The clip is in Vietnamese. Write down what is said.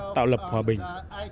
tạo lập hòa bình